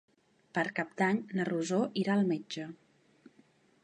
Per Cap d'Any na Rosó irà al metge.